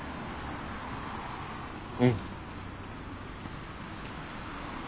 うん。